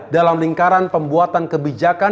dalam lingkaran pembuatan kebijakan